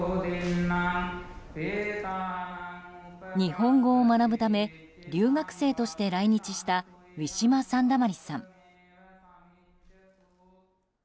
日本語を学ぶため留学生として来日したウィシュマ・サンダマリさん。